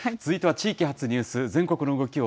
続いては地域発ニュース。